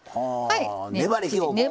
はい。